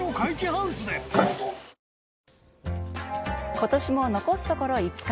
ことしも残すところ５日。